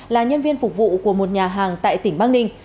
là nhân viên phục vụ của một nhà hàng tại tỉnh bắc ninh